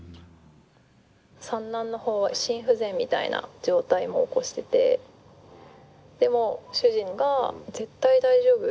三男の方は心不全みたいな状態も起こしててでも主人が「絶対大丈夫。